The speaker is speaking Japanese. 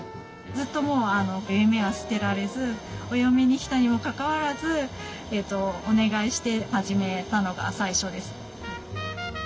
ずっともう夢は捨てられずお嫁に来たにもかかわらずお願いして始めたのが最初です。